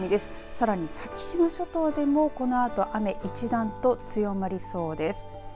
さらに先島諸島でもこのあと雨一段と強まりそうです。